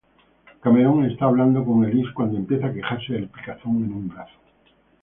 Cameron está hablando con Elise cuando empieza a quejarse de picazón en un brazo.